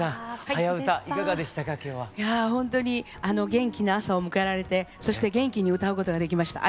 いやあほんとに元気な朝を迎えられてそして元気に歌うことができました。